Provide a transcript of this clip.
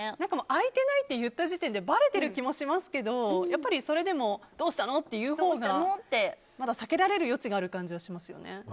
空いてないって言った時点でばれてる気もしますけどそれでもどうしたの？って言うほうがまだ避けられる余地がある感じがしますよね。